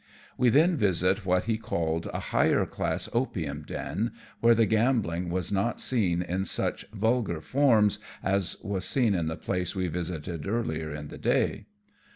We then visit what he called a higher class opium den, where the gambling was not seen in such vulgar form as was seen in the place we visited earlier in the day.